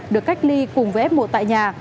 được cách ly cùng với f một tại nhà